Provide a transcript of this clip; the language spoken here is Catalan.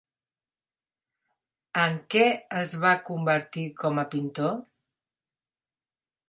En què es va convertir com a pintor?